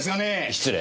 失礼。